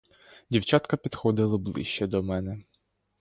Дівчатка підходили ближче до мене.